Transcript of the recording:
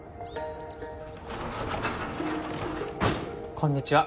こんにちは。